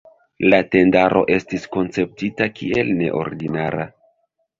La tendaro estis konceptita kiel neordinara.